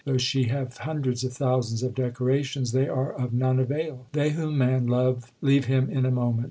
Though she have hundreds of thousands of decorations, they are of none avail. They whom man loved leave him in a moment.